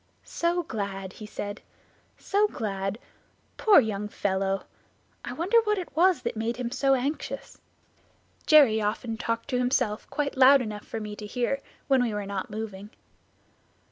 "'So glad!' he said, 'so glad!' Poor young fellow! I wonder what it was that made him so anxious!" Jerry often talked to himself quite loud enough for me to hear when we were not moving.